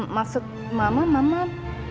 maksud mamah mamah